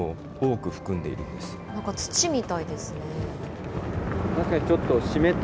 なんか、土みたいですね。